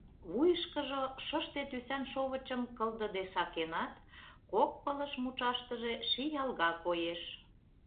Вуйышкыжо шыште тӱсан шовычым кылдыде сакенат, кок пылыш мучаштыже ший алга коеш.